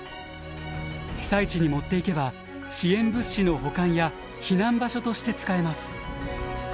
被災地に持っていけば支援物資の保管や避難場所として使えます。